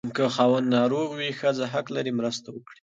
که خاوند ناروغ وي، ښځه حق لري مرسته وکړي.